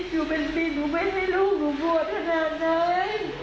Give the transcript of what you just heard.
อยู่เป็นปีหนูไม่ให้ลูกหนูบวชขนาดไหน